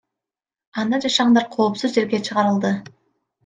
Анда жашагандар коопсуз жерге чыгарылды.